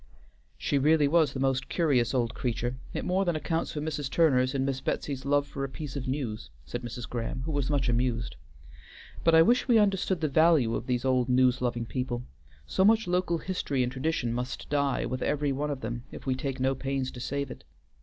"She really was the most curious old creature; it more than accounts for Mrs. Turner's and Miss Betsy's love for a piece of news," said Mrs. Graham, who was much amused. "But I wish we understood the value of these old news loving people. So much local history and tradition must die with every one of them if we take no pains to save it.